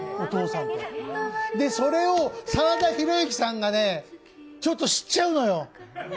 それを真田広之さんがちょっと知っちゃうのよ。